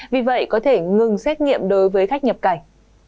vì vậy có thể ngừng xét nghiệm đối với khách nhập cảnh